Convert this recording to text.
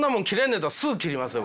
やったらすぐ切りますよ